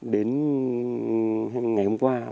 đến ngày hôm qua